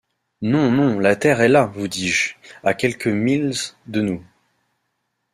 Non! non ! la terre est là, vous dis-je, à quelques milles de nous !